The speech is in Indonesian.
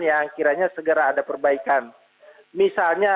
yang kiranya segera ada perbaikan misalnya